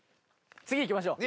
次いきましょう。